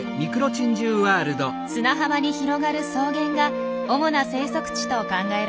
砂浜に広がる草原が主な生息地と考えられています。